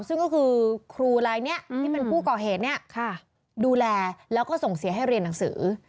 ซึ่งก็คือครูลายนี้ที่เป็นผู้ก่อเหตุเนี่ยดูแลแล้วก็ส่งเสียให้เรียนหนังสือ